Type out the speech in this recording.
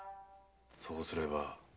そうすれば。